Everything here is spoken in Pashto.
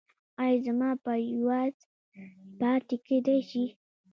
ایا زما پایواز پاتې کیدی شي؟